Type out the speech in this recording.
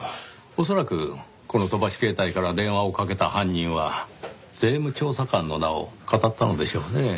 恐らくこの飛ばし携帯から電話をかけた犯人は税務調査官の名をかたったのでしょうねぇ。